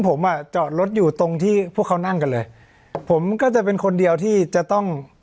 ผมอ่ะจอดรถอยู่ตรงที่พวกเขานั่งกันเลยผมก็จะเป็นคนเดียวที่จะต้อง